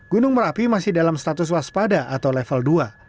gunung merapi masih dalam status waspada atau level dua